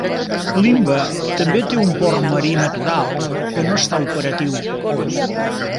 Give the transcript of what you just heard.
Limbe també té un port marí natural que no està operatiu.